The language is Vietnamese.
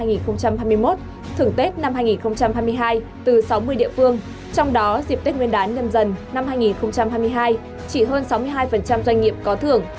thưởng tết năm hai nghìn hai mươi hai từ sáu mươi địa phương trong đó dịp tết nguyên đán nhâm dần năm hai nghìn hai mươi hai chỉ hơn sáu mươi hai doanh nghiệp có thưởng